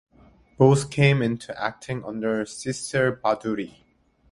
Bose came into acting under Sisir Bhaduri.